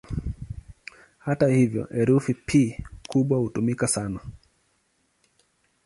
Hata hivyo, herufi "P" kubwa hutumika sana.